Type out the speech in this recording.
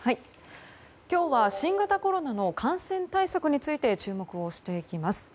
今日は新型コロナの感染対策について注目していきます。